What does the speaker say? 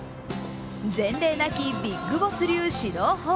前例なきビッグボス流指導法。